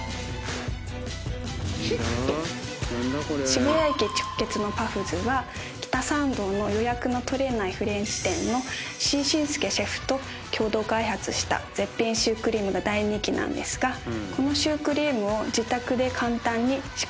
渋谷駅直結の「ＰＵＦＦＺ」は北参道の予約の取れないフレンチ店の石井真介シェフと共同開発した絶品シュークリームが大人気なんですがこのシュークリームを。